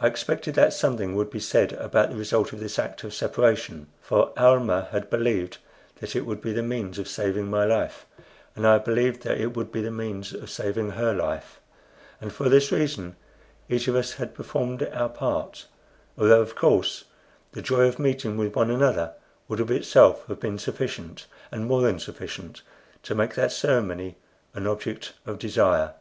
I expected that something would be said about the result of this act of separation; for Almah had believed that it would be the means of saving my life, and I believed that it would be the means of saving her life, and for this reason each of us had performed our part; although, of course, the joy of meeting with one another would of itself have been sufficient, and more than sufficient, to make that ceremony an object of desire.